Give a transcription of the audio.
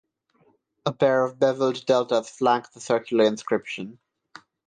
A pair of beveled deltas flank the circular inscription.